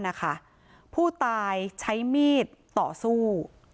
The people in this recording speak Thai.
คนในบ้านนะคะผู้ตายใช้มีดต่อสู้